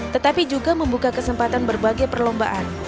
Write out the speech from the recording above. tetapi juga membuka kesempatan berbagai perlombaan